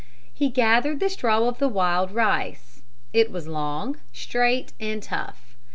He gathered the straw of the wild rice. It was long, straight and tough.